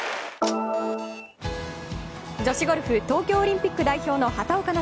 女子ゴルフ東京オリンピック代表の畑岡奈